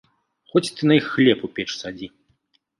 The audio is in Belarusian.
Хоць ты на іх хлеб у печ садзі.